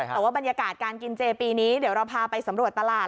แต่ว่าบรรยากาศการกินเจปีนี้เดี๋ยวเราพาไปสำรวจตลาด